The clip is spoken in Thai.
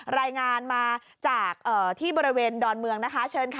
รายงานมาจากที่บริเวณดอนเมืองนะคะเชิญค่ะ